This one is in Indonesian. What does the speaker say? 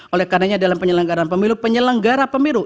oleh karena ini dalam penyelenggaraan pemilu penyelenggara pemilu